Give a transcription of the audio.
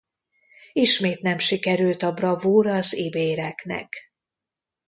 Ismét nem sikerült a bravúr az ibéreknek.